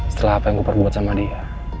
setelah apa yang gue perbuat sama dia